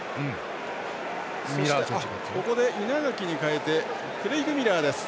ここで稲垣に代えてクレイグ・ミラーです。